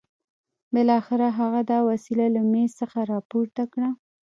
بالاخره هغه دا وسيله له مېز څخه راپورته کړه.